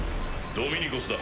ドミニコスだ。